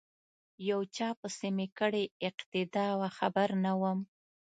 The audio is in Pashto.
یو چا پسی می کړې اقتدا وه خبر نه وم